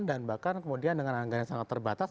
dan bahkan kemudian dengan anggaran yang sangat terbatas